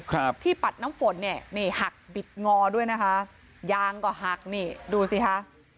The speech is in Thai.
ครับที่ปัดน้ำฝนเนี่ยนี่หักบิดงอด้วยนะคะยางก็หักนี่ดูสิคะ